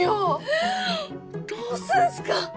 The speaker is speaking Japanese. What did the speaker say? えどうすんすか？